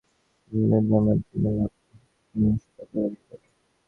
তার প্রতিধ্বনি আমার ধর্মনির রক্ত হিমশীতল করে দিয়ে গেল।